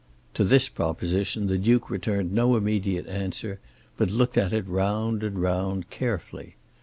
To this proposition the Duke returned no immediate answer; but looked at it round and round carefully.